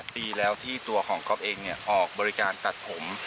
ปีแล้วที่ตัวของก๊อฟเองออกบริการตัดผม